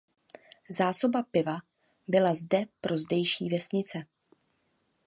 Zásoba piva byla zde pro zdejší vesnice.